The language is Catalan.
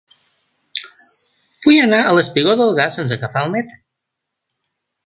Vull anar al espigó del Gas sense agafar el metro.